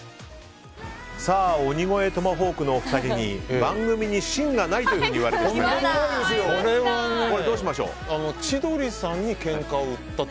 鬼越トマホークのお二人に番組に芯がないというふうに言われました。